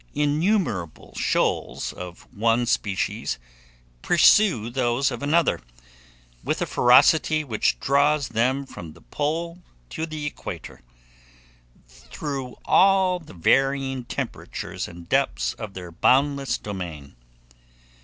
Innumerable shoals of one species pursue those of another, with a ferocity which draws them from the pole to the equator, through all the varying temperatures and depths of their boundless domain.